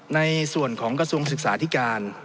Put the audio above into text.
ในส่วนของกระทรวงศึกษาธิการ